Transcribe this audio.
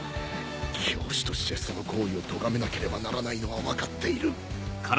教師としてその行為をとがめなければならないのは分かっている